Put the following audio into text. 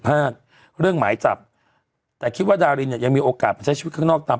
พลาดเป็นความหมายจับแต่คิดว่าดาลีนยังมีโอกาสจะช่วยเอาตาม